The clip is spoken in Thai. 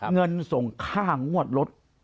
เงินส่งค่างวดรถ